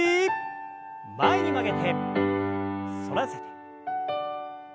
前に曲げて反らせて。